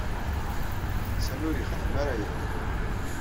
Sami ur yexdim ara ayagi.